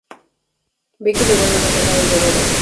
Becky devuelve los regalos de boda.